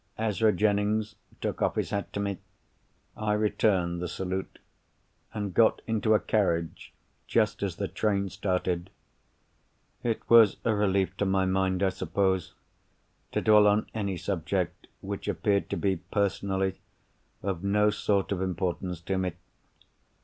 Ezra Jennings took off his hat to me. I returned the salute, and got into a carriage just as the train started. It was a relief to my mind, I suppose, to dwell on any subject which appeared to be, personally, of no sort of importance to me.